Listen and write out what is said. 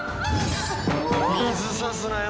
水差すなよ